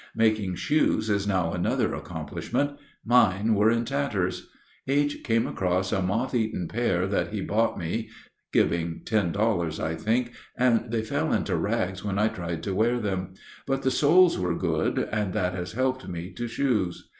Making shoes is now another accomplishment. Mine were in tatters. H. came across a moth eaten pair that he bought me, giving ten dollars, I think, and they fell into rags when I tried to wear them; but the soles were good, and that has helped me to shoes.